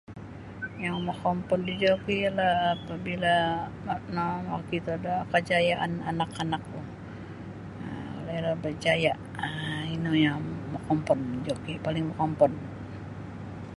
Yang makomood da joki ialah apabila na-nakakito da kajayaan anak-anak ku um iro barjaya um ino yang mokompod joki paling mokompod.